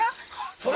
それ！